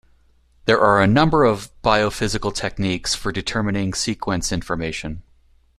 There are a number of biophysical techniques for determining sequence information.